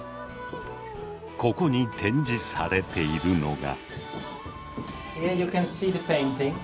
ここに展示されているのが。